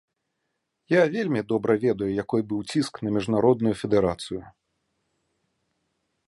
Я вельмі добра ведаю, якой быў ціск на міжнародную федэрацыю.